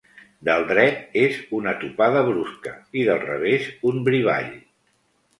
Del dret és una topada brusca i del revés un brivall.